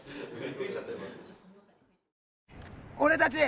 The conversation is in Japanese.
「俺たち」。